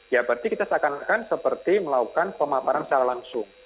ya berarti kita sakankan seperti melakukan pemaparan secara langsung